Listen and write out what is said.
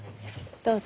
どうぞ。